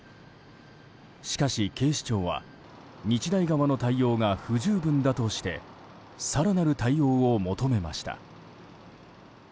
しかし、警視庁は日大側の対応が不十分だとして更なる対応を求めました。